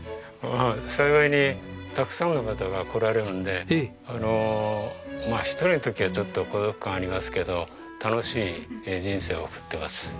まあ幸いにたくさんの方が来られるんでまあ１人の時はちょっと孤独感がありますけど楽しい人生を送ってます。